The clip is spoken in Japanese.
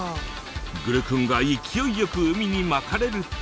グルクンが勢い良く海にまかれると。